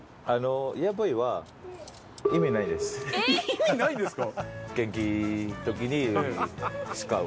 意味ないんですか？